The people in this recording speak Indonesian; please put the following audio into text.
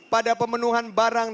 pada pemenuhan barang